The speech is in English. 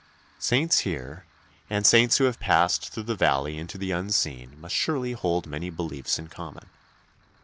" Saints here and saints who have passed through the valley into the unseen must surely hold many beliefs in common.